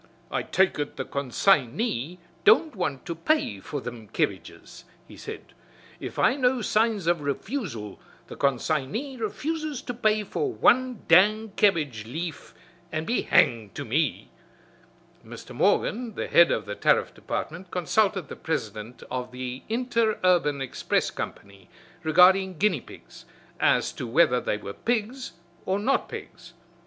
"I take ut the con sign y don't want to pay for thim kebbages," he said. "If I know signs of refusal, the con sign y refuses to pay for wan dang kebbage leaf an' be hanged to me!" Mr. Morgan, the head of the Tariff Department, consulted the president of the Interurban Express Company regarding guinea pigs, as to whether they were pigs or not pigs.